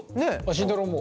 慎太郎も？